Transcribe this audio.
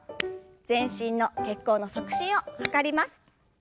全身の血行の促進を図ります。